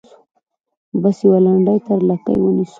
بس یوه لنډۍ تر لکۍ ونیسو.